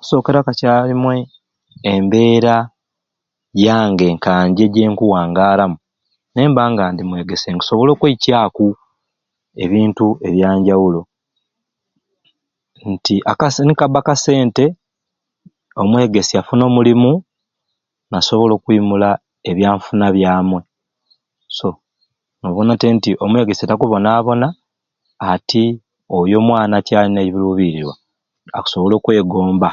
Ekikusokeera kacarumwei embeera yange nkanje jenkuwangaramu nimba nga ndi mwegeesye nkusobola okweikyaku ebintu ebyanjawulo nti akase nikaba akasente omwegesya afuna omulimu nasobola okuimula ebyanfuna byamwei so nobona tte nti omwegesye takubonabona ati oyo omwana akyayina ebirubirirwa akusobola okwegomba.